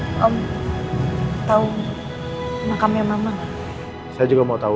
itu bertepatan dengan hari kepergian mama kamu